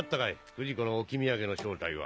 不二子の置き土産の正体は。